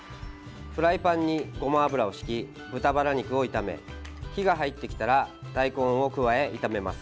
フライパンにごま油をしき豚バラ肉を炒め火が入ってきたら大根を加え炒めます。